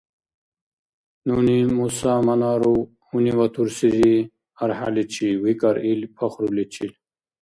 — Нуни Муса Манаров гьунивватурсири архӀяличи, — викӀар ил пахруличил.